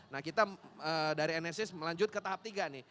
nah kita dari nsis melanjut ke tahap tiga nih